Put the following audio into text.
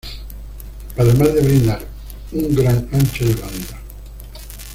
Además de brindar un gran ancho de banda.